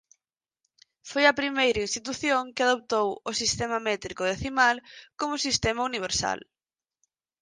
Foi a primeira institución que adoptou e sistema métrico decimal como sistema universal.